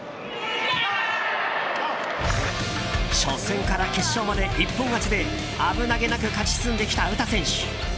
初戦から決勝まで一本勝ちで危なげなく勝ち進んできた詩選手。